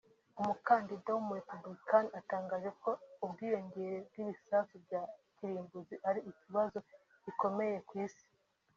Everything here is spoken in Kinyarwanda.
umukandida w’umu-Républicain atangaje ko ubwiyongere bw’ibisasu bya kirimbuzi ari ikibazo gikomeye ku isi